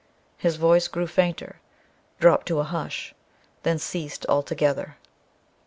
His voice grew fainter dropped to a hush then ceased altogether.